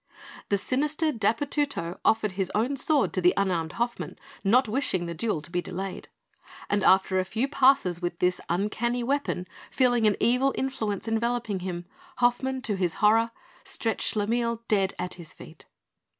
The sinister Dapurtutto offered his own sword to the unarmed Hoffmann, not wishing the duel to be delayed; and after a few passes with this uncanny weapon, feeling an evil influence enveloping him, Hoffmann, to his horror, stretched Schlemil dead at his feet.